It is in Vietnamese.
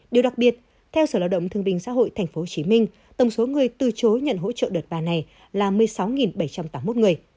điều đặc biệt theo sở lao động thương bình xã hội tp hcm tổng số người từ chối nhận hỗ trợ đợt ba này là một mươi sáu bảy trăm tám mươi một người